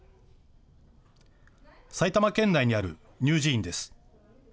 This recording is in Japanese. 埼玉県内にある乳児院です。